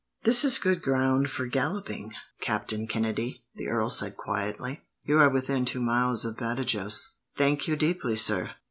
"This is good ground for galloping, Captain Kennedy," the earl said quietly. "You are within two miles of Badajos." "Thank you deeply, sir.